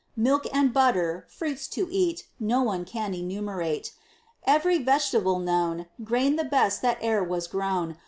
Milk and butter: fruits to eat No one can enumerate; Ev'ry vegetable known; Grain the best that e'er was grown.